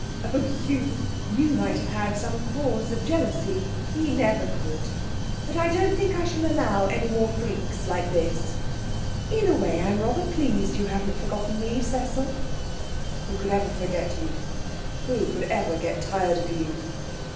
'Oh, you! You might have had some cause of jealousy. He never could. But don't think I shall allow any more freaks like this. In a way I'm rather pleased you haven't forgotten me, Cecil.' 'Who could ever forget you? Who could ever get tired of you?'